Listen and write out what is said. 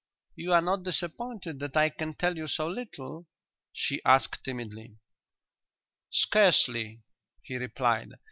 "You are not disappointed that I can tell you so little?" she asked timidly. "Scarcely," he replied.